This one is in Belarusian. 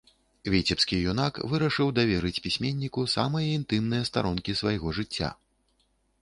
Віцебскі юнак вырашыў даверыць пісьменніку самыя інтымныя старонкі свайго жыцця.